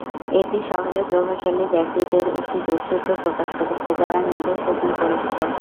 এটি শহরের প্রভাবশালী ব্যক্তিদের একটি যোগসূত্র প্রকাশ করেছে যারা মেয়েদের শোষণ করেছিল।